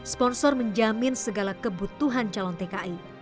sponsor menjamin segala kebutuhan calon tki